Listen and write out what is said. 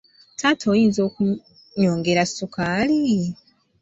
Taata, oyinza okunyongera sukaali?